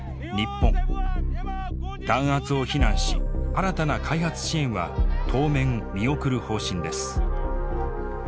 弾圧を非難し新たな開発支援は当面見送る方針です。